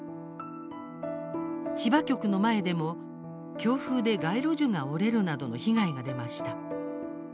千葉局の前でも強風で街路樹が折れるなどの被害が出ました。